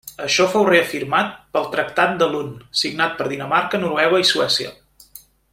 Això fou reafirmat pel Tractat de Lund, signat per Dinamarca-Noruega i Suècia.